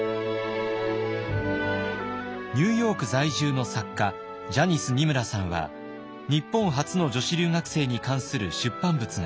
ニューヨーク在住の作家ジャニス・ニムラさんは日本初の女子留学生に関する出版物があります。